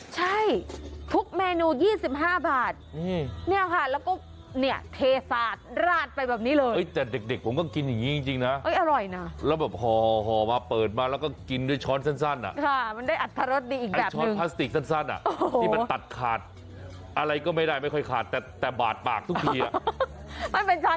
ใช่ทุกเมนู๒๕บาทนี่นี่ค่ะแล้วก็เหนี๊ยะเทฟากราดไปแบบนี้เลย